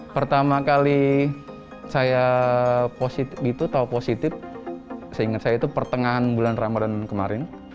pertama kali saya positif saya ingat saya itu pertengahan bulan ramadhan kemarin